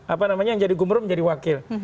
apa namanya yang jadi gubernur menjadi wakil